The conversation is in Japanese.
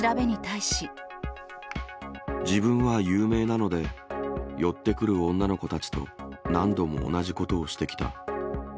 自分は有名なので、寄ってくる女の子たちと、何度も同じことをしてきた。